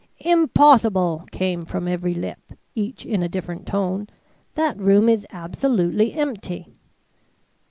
"Impossible!" came from every lip, each in a different tone. "That room is absolutely empty."